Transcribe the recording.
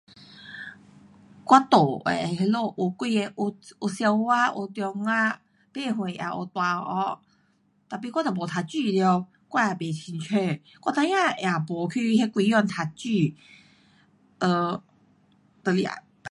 我住的那里，有几个，有小学，有中学，不远也有大学，tapi 我也没读书了，我也不清楚。我孩儿也没去那几间读书。呃，就是啊